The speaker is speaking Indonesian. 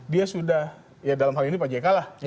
dia sudah ya dalam hal ini pak jk lah